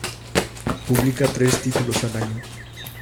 Publica tres títulos al año.